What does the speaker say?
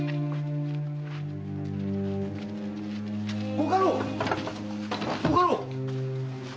ご家老ご家老⁉